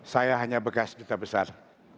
saya hanya bekas duta besar